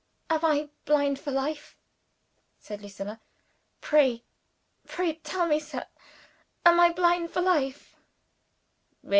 "Am I blind for life?" said Lucilla. "Pray, pray tell me, sir! Am I blind for life?"